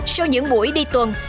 sau những buổi đi tuần